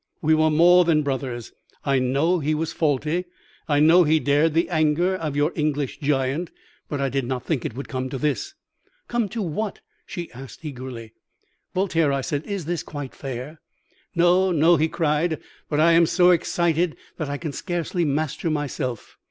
We were more than brothers. I know he was faulty, I know he dared the anger of your English giant, but I did not think it would come to this.' "'Come to what?' she asked eagerly. "'Voltaire,' I said, 'is this quite fair?' "'No, no!' he cried; 'but I am so excited that I can scarcely master myself.